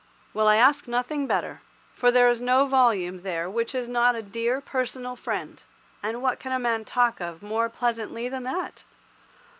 Well, I ask nothing better, for there is no volume there which is not a dear, personal friend, and what can a man talk of more pleasantly than that?